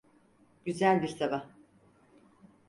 Güzel bir sabah.